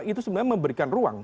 itu sebenarnya memberikan ruang